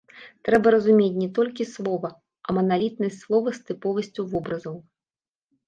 Трэба разумець не толькі слова, а маналітнасць слова з тыповасцю вобразаў.